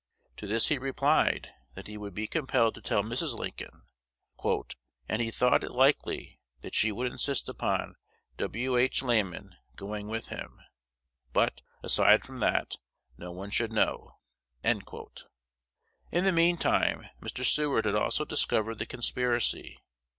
To this he replied, that he would be compelled to tell Mrs. Lincoln; "and he thought it likely that she would insist upon W. H. Lamon going with him; but, aside from that, no one should know." In the mean time, Mr. Seward had also discovered the conspiracy.